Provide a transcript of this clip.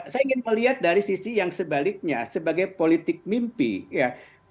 saya ingin melihat dari sisi yang sebaliknya sebagai politik mimpi ya